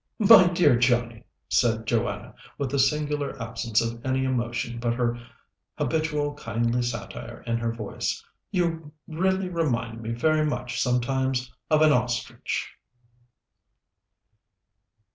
"My dear Johnnie," said Joanna, with a singular absence of any emotion but her habitual kindly satire in her voice, "you really remind me very much sometimes of an ostrich!"